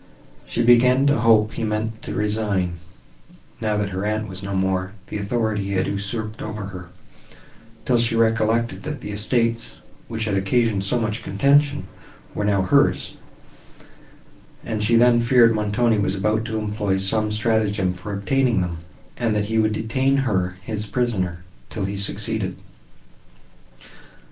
She began to hope he meant to resign, now that her aunt was no more, the authority he had usurped over her; till she recollected, that the estates, which had occasioned so much contention, were now hers, and she then feared Montoni was about to employ some stratagem for obtaining them, and that he would detain her his prisoner, till he succeeded.